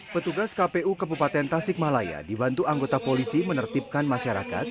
petugas kpu kabupaten tasikmalaya dibantu anggota polisi menertibkan masyarakat